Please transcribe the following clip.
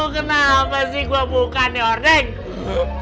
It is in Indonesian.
kenapa sih gue buka nih ordeng